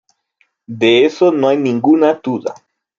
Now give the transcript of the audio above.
De eso no hay ninguna duda".